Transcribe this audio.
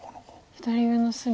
左上の隅。